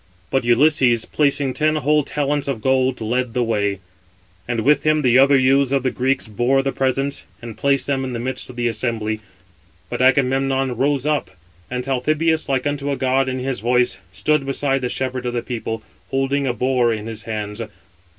But Ulysses, placing 633 ten whole talents of gold, led the way, and with him the other youths of the Greeks bore the presents, and placed them in the midst of the assembly; but Agamemnon rose up; and Talthybius, like unto a god in his voice, stood beside the shepherd of the people, holding a boar in his hands.